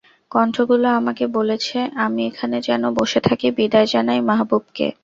কণ্ঠগুলো আমাকে বলেছে, আমি এখানে যেন বসে থাকি, বিদায় জানাই মাহবুবকে।